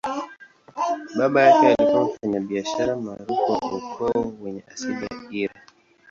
Baba yake alikuwa mfanyabiashara maarufu wa ukoo wenye asili ya Eire.